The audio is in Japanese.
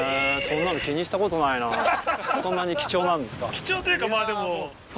貴重というかまぁでも。